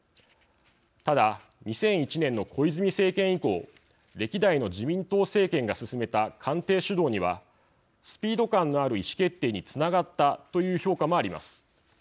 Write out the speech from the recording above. ただ２００１年の小泉政権以降歴代の自民党政権が進めた官邸主導にはスピード感のある意思決定につながったという評価もあります。